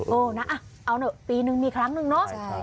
เออนะเอาหน่อยปีหนึ่งมีครั้งหนึ่งเนอะ